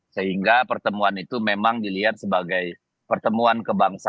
sehingga pertemuan itu memang dilihat sebagai pertemuan